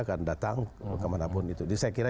akan datang kemanapun itu jadi saya kira